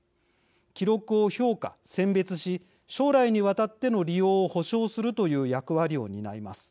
記録を評価・選別し将来にわたっての利用を保証するという役割を担います。